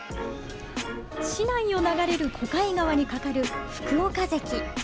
市内を流れる小貝川にかかる福岡堰。